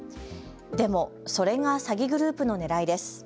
でもそれが詐欺グループのねらいです。